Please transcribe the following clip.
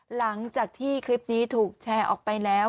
หลังจากที่คลิปนี้ถูกแชร์ออกไปแล้ว